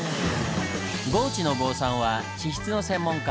合地信生さんは地質の専門家。